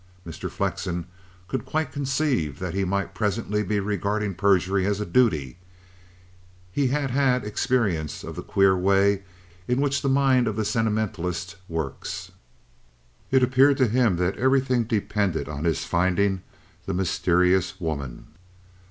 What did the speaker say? Mr. Flexen could quite conceive that he might presently be regarding perjury as a duty; he had had experience of the queer way in which the mind of the sentimentalist works. It appeared to him that everything depended on his finding the mysterious woman.